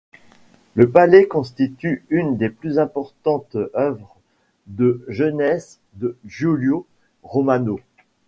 Le palais constitue une des plus importantes œuvres de jeunesse de Giulio Romano.